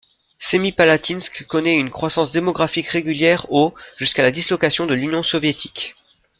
Semipalatinsk connaît une croissance démographique régulière au jusqu'à la dislocation de l'Union soviétique.